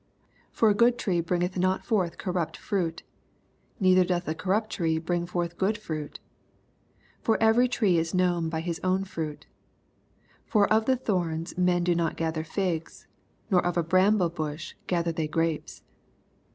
43 For a good tree bringeth not forth corrnpt frait ;. neither doth a corrupt tree bring forth good fruit. 44 For every tree is known by his own fruit. For of thorns men do not gather figs, nor of a bramble bush gather they grapes.